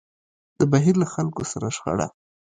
د بهير له خلکو سره شخړه.